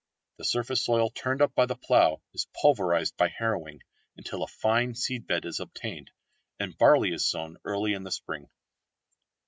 The surface soil turned up by the plough is pulverised by harrowing until a fine seed bed is obtained, and barley is sown early in the spring.